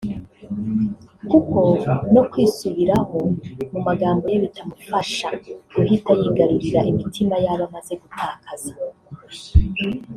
kuko no kwisubiraho mu magambo ye bitamufasha guhita yigarurira imitima y’abo amaze gutakaza